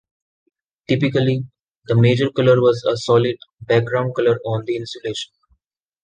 Typically, the major color was a solid, background color on the insulation.